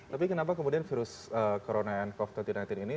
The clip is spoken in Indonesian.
tapi kenapa kemudian virus corona dan covid sembilan belas ini